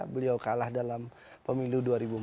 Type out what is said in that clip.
beliau kalah dalam pemilu dua ribu empat belas